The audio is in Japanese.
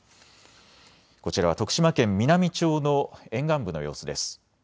こちらは徳島県美波町の沿岸部の様子です。